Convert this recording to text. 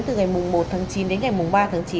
từ ngày một tháng chín đến ngày ba tháng chín